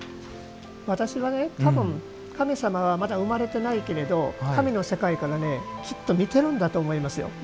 私は、多分、神様はまだ生まれてないけれども神の世界からきっと見てるんだと思いますよ